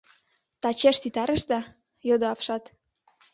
— Тачеш ситарышда? — йодо апшат.